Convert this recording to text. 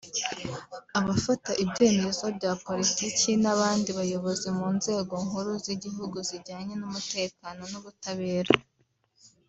abafata ibyemezo bya Politiki n’abandi bayobozi mu nzego nkuru z’igihugu zijyanye n’umutekano n’ubutabera